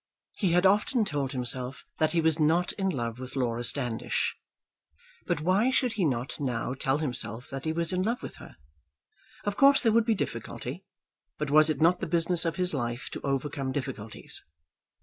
He had often told himself that he was not in love with Laura Standish; but why should he not how tell himself that he was in love with her? Of course there would be difficulty. But was it not the business of his life to overcome difficulties?